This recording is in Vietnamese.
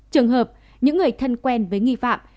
trường hợp những người thân quen với nghi phạm